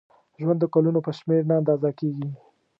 ژوند د کلونو په شمېر نه اندازه کېږي.